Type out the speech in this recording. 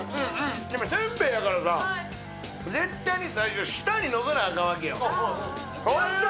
でもせんべいやからさ、絶対に最初舌に載せないかんわけよ。